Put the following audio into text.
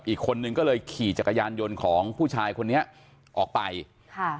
อีกคนนึงก็เลยขี่จักรยานยนต์ของผู้ชายคนนี้ออกไปค่ะ